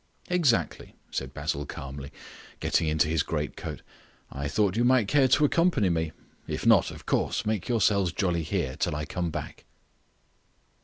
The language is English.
"Exactly," said Basil calmly, getting into his great coat; "I thought you might care to accompany me. If not, of course, make yourselves jolly here till I come back."